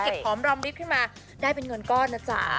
เก็บของลำบิ๊บขึ้นมาได้เป็นเงินก้อนนะจ๊ะ